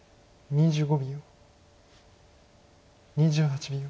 ２８秒。